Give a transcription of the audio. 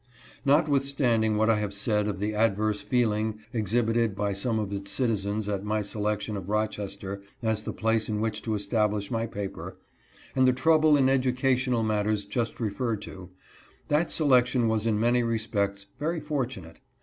Notwithstanding what I have said of the adverse feeling exhibited by someTOrHts citizens at my selection of Roches ter as the place in which to establish my paper, and the trouble in educational matters just referred to, that selec tion was in many respects very fortunate.